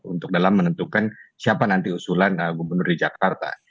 untuk dalam menentukan siapa nanti usulan gubernur di jakarta